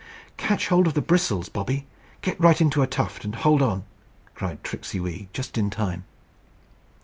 "Catch hold of the bristles, Bobby. Get right into a tuft, and hold on," cried Tricksey Wee, just in time.